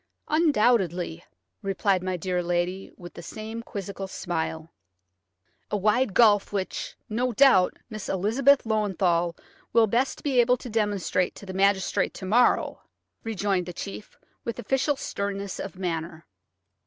"Undoubtedly," replied my dear lady, with the same quizzical smile. "A wide gulf which, no doubt, Miss Elizabeth Löwenthal will best be able to demonstrate to the magistrate to morrow," rejoined the chief, with official sternness of manner.